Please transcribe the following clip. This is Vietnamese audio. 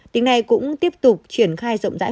tỉnh này cũng tiếp tục chuyển khai rộng rãi